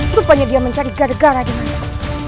rupanya dia mencari gara gara dimana